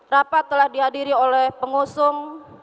rapat telah dihadiri oleh pengusung